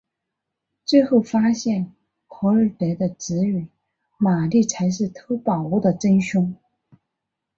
最后发现霍尔德的侄女玛丽才是偷宝物的真凶。